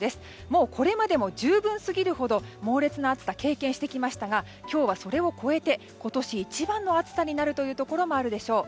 もうこれまでも十分すぎるほど猛烈な暑さを経験してきましたが今日はそれを超えて今年一番の暑さになるというところもあるでしょう。